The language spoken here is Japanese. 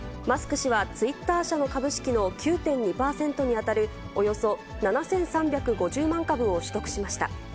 マスク氏はツイッター社の株式の９．２％に当たる、およそ７３５０万株を取得しました。